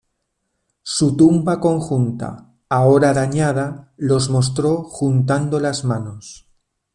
Su tumba conjunta, ahora dañada, los mostró juntando las manos.